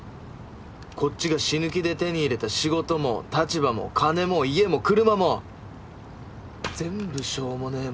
こっちが死ぬ気で手に入れた仕事も立場も金も家も車も全部しょうもねぇ